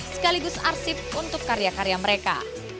sekaligus arsip untuk karya karya mereka